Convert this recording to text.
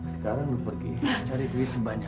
sekarang lu pergi cari duit sebanyak